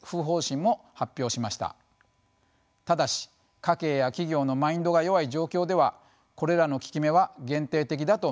ただし家計や企業のマインドが弱い状況ではこれらの効き目は限定的だと見られます。